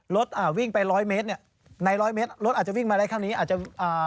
อ่าวิ่งไปร้อยเมตรเนี้ยในร้อยเมตรรถอาจจะวิ่งมาได้คราวนี้อาจจะอ่า